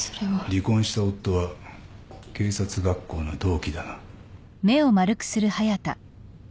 離婚した夫は警察学校の同期だな。